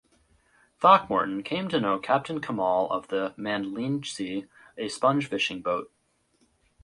Throckmorton came to know Captain Kemal of the "Mandlinci", a sponge fishing boat.